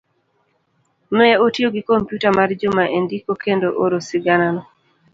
ne otiyo gi kompyuta mar Juma e ndiko kendo oro siganano.